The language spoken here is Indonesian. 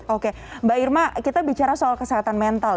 oke mbak irma kita bicara soal kesehatan mental